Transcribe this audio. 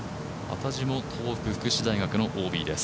幡地も東北福祉大学のＯＢです。